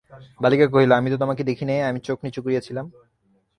বালিকা কহিল, আমি তো তোমাকে দেখি নাই, আমি চোখ নিচু করিয়া ছিলাম।